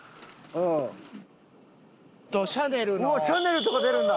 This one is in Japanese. うわっシャネルとか出るんだ！